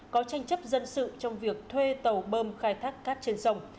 có tranh chấp dân sự trong việc thuê tàu bơm khai thác cát trên sông